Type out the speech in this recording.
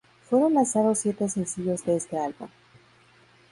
Fueron lanzados siete "sencillos" de este álbum.